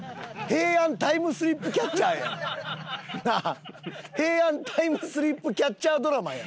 平安タイムスリップキャッチャードラマやん。